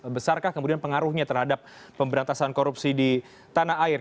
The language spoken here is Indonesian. besarkah kemudian pengaruhnya terhadap pemberantasan korupsi di tanah air